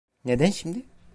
Neden şimdi?